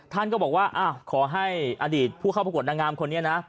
ท่านก็บอกว่าขอให้อดีตผู้เข้าประกวดนางงามคนนี้นะ